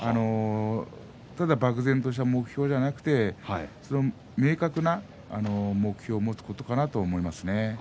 ただ漠然とした目標ではなくて明確な目標を持つことだと思いますね。